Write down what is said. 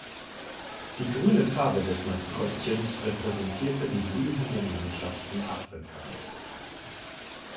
Die grüne Farbe des Maskottchens repräsentierte die blühenden Landschaften Afrikas.